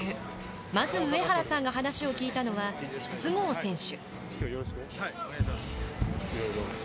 まず上原さんが話を聞いたのは筒香選手。